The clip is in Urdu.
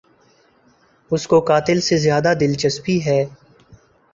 اس کو قاتل سے زیادہ دلچسپی ہے۔